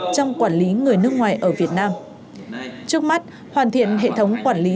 trong quản lý người nước ngoài ở việt nam trước mắt hoàn thiện hệ thống quản lý